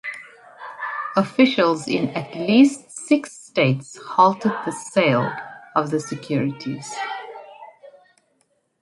Officials in at least six states halted the sale of the securities.